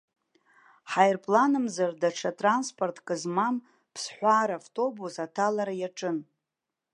Ҳаирпланымзар даҽа транспортк змам ԥсҳәаа равтобус аҭалара иаҿын.